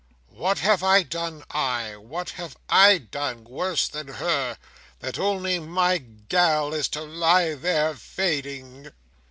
What have I done, I, what have I done worse than her, that only my gal is to lie there fading!"